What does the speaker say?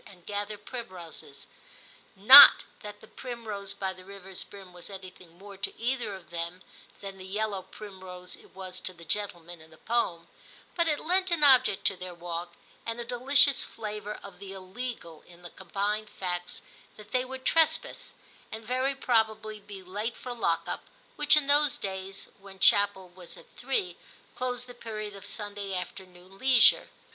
and gather primroses ; not that the * primrose by the rivers brim* was anything more to either of them than the yellow primrose it was to the gentleman in the poem, but it lent an object to their walk, and a delicious flavour of the illegal in the combined facts that they would trespass, and very probably be late for lock up, which in those days, when chapel was at three, closed the period of Sunday afternoon leisure.